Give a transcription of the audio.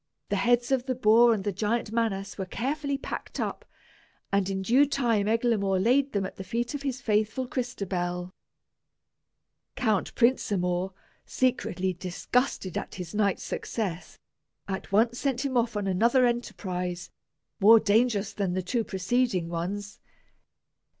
The heads of the boar and the giant Manas were carefully packed up, and in due time Eglamour laid them at the feet of his faithful Crystabell. Count Prinsamour, secretly disgusted at his knight's success, at once sent him off on another enterprise, more dangerous than the two preceding ones.